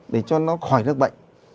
để cho nó khỏi đất bệnh